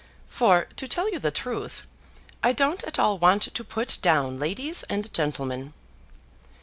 For, to tell you the truth, I don't at all want to put down ladies and gentlemen."